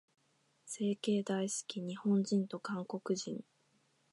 整形大好き、日本人と韓国人。